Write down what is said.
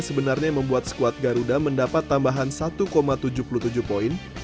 sebenarnya membuat skuad garuda mendapat tambahan satu tujuh puluh tujuh poin